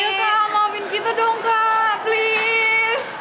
iya kak maafin kita dong kak please